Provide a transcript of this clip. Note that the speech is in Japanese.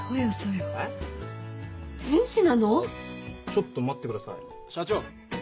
ちょっと待ってください社長。